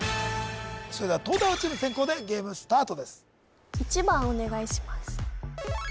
それでは東大王チーム先攻でゲームスタートです１番お願いします